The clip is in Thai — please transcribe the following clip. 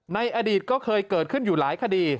ในอดีตก็เคยเกิดขึ้นอยู่หลายคดี